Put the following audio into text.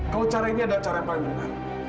kalau cara ini adalah cara yang paling benar